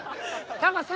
タカさん！」